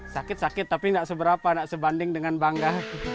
sakit sakit tapi tidak seberapa tidak sebanding dengan bangga